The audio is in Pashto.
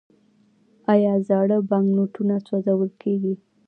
آیا زاړه بانکنوټونه سوځول کیږي؟